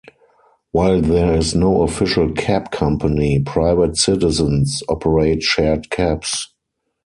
While there is no official cab company, private citizens operate shared cabs.